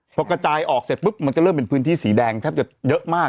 พอกระจายออกเสร็จปุ๊บมันก็เริ่มเป็นพื้นที่สีแดงแทบจะเยอะมาก